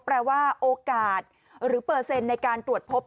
แปลว่าโอกาสหรือเปอร์เซ็นต์ในการตรวจพบ